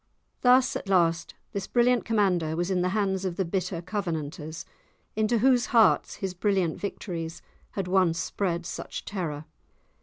Thus, at last, this brilliant commander was in the hands of the bitter Covenanters, into whose hearts his brilliant victories had once spread such terror.